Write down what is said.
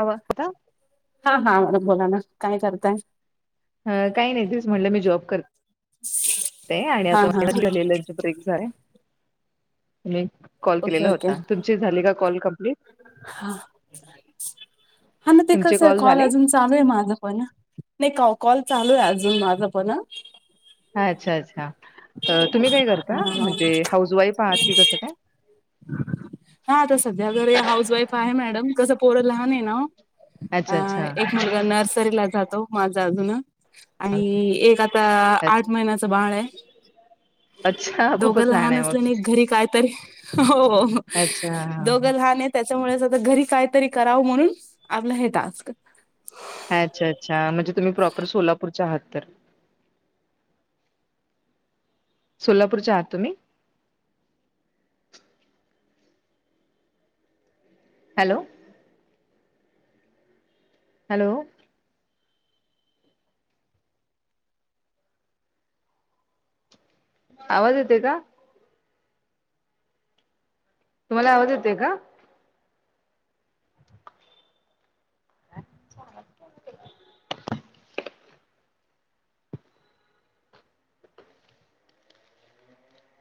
आवळ खाता हा हा [unintelligible] बोला ना काय करताय हं काय नाय तेच म्हटलं मी जॉब कर ते आणि हा आता हा हा [inaudible] लंच ब्रेक झालाय. मी कॉल ओके केलेला ओके होता तुमची झाले का कॉल कंप् हा हा म ते तुमचे कसंय कॉल झाले? अजून चालू ये माझं पण, नाय का-कॉल चालू ये अजून माझं पण अच्छा अच्छा तुम्ही काय करता हा म्हणजे हाऊस वाईफ आहात की कसं काय? हा आता सध्या तरी हाऊस वाईफ आहे मॅडम कसं पोर लहान ये ना ओ अच्छा अच्छा- मुलगा नर्सरीला जातो, माझा अजून आणि एक आता, अच्छ आठ महिन्याचं बाळ आय. अच्छा दोघं खूपच लहान आहे मग असल्यानी, घरी कायतरी हो अच्छा. दोघं हा नाय त्याच्यामुळे आता घरी कायतरी करावं म्हणून आपलं हे टास्क अच्छा अच्छा म्हणजे तुम्ही प्रॉपर सोलापूरच्या आहात तर सोलापूरच्या आहात तुम्ही हॅलो हॅलो आवाज येतोय का? तुम्हाला आवाज येतोय का? [unintelligible]